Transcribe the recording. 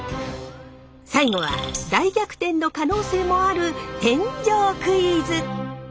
最後は大逆転の可能性もある返上クイズ！